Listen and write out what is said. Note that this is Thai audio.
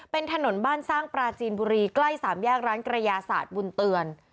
เป็นถนนบ้านสร้างปราจีนบุรีใกล้สามแยกร้านกระยาศาสตร์บุญเตือน